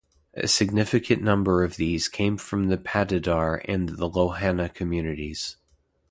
A significant number of these came from the Patidar and Lohana communities.